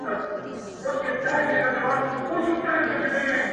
ستا ولي دومره بېړه وه اشنا له کوره ـ ګور ته،